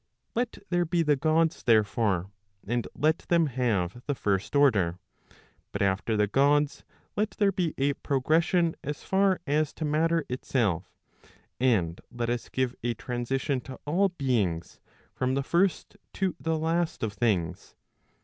Let there be the Gods therefore, and let them have the first order. But after the Gods, let there be a progression' as far as to matter itself; and let us give a transition to all beings, from the first to the last of things.